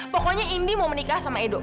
pokoknya indi mau menikah sama edo